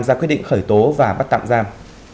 ra quyết định khởi tố và bắt tạm giam